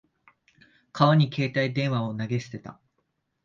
川に携帯電話を投げ捨てた。